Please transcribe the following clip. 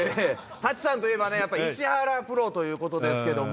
舘さんといえば石原プロということですけども。